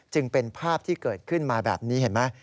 จึงเป็นภาพที่เกิดขึ้นมาแบบนี้เห็นไหม